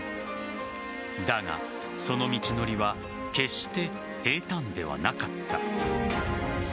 だが、その道のりは決して平たんではなかった。